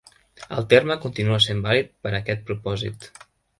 El terme continua sent vàlid per a aquest propòsit.